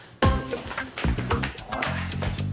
おい。